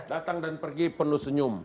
datang dan pergi penuh senyum